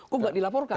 kok tidak dilaporkan